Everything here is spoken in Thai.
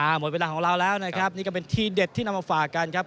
หมดเวลาของเราแล้วนะครับนี่ก็เป็นทีเด็ดที่นำมาฝากกันครับ